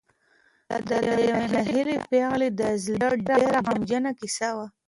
دا د یوې ناهیلې پېغلې د زړه ډېره غمجنه کیسه وه.